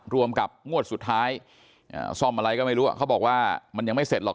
รวมกับงวดสุดท้ายซ่อมอะไรก็ไม่รู้เขาบอกว่ามันยังไม่เสร็จหรอก